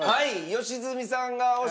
良純さん。